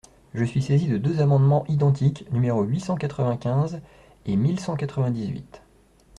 Je suis saisi de deux amendements identiques, numéros huit cent quatre-vingt-quinze et mille cent quatre-vingt-dix-huit.